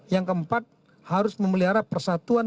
yang keempat harus memelihara persatuan